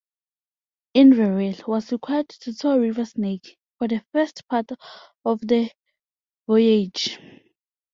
"Inverell" was required to tow "River Snake" for the first part of the voyage.